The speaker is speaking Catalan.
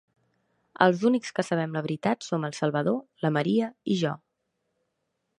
Els únics que sabem la veritat som el Salvador, la Maria i jo.